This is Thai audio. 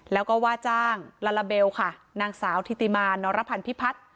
แล้วก็ว่าจ้างลาลาเบลค่ะนางสาวธิติมานรพันธ์พิพัฒน์